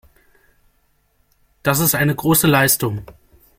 Das ist eine große Leistung.